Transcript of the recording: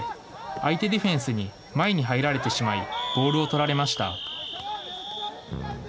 相手ディフェンスに前に入られてしまいボールを取られました。